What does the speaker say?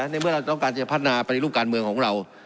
ในเมื่อเราต้องการจะพัฒนาปฏิรูปการเมืองของเรา